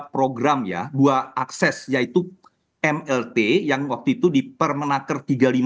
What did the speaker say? program ya dua akses yaitu mlt yang waktu itu di permenaker tiga puluh lima dua ribu enam belas